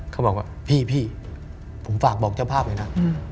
เขาบอกว่าพี่ผมฝากบอกเจ้าภาพเลยนะ